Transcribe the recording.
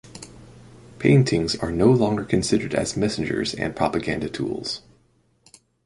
Paintings are no longer considered as messengers and propaganda tools.